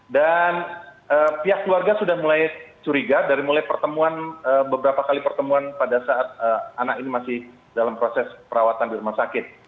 dan pihak keluarga sudah mulai curiga dari mulai pertemuan beberapa kali pertemuan pada saat anak ini masih dalam proses perawatan di rumah sakit